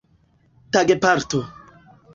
tagparto